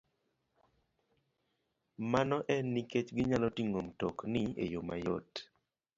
Mano en nikech ginyalo ting'o mtokni e yo mayot,